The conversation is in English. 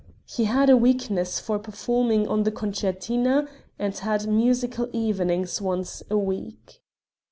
He had a weakness for performing on the concertina and had musical evenings once a week.